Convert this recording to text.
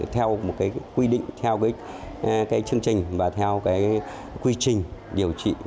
theo một quy định theo chương trình và theo quy trình điều trị